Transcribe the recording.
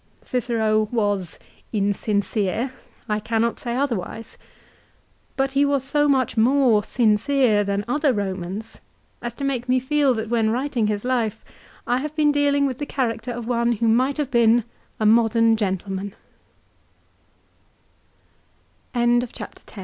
Cicero was insincere. I cannot say otherwise. But he was so much more sincere than other llomaus as to make me feel that when writing his life, I have been dealing with the character of one who might have